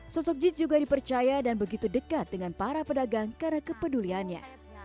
sosok jis juga dipercaya dan begitu dekat dengan para pedagang karena kepeduliannya